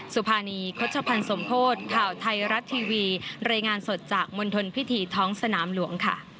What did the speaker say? สุภานีโฆษภัณฑ์สมโพธิ์ข่าวไทยรัฐทีวีรายงานสดจากมณฑลพิธีท้องสนามหลวงค่ะ